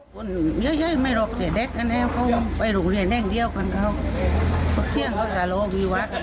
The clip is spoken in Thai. แต่เขาไม่รู้ว่ามันจะมีเด็กมากจากไหนกันแล้ว